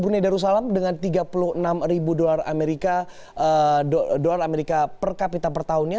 brunei darussalam dengan tiga puluh enam ribu dolar amerika per kapita per tahunnya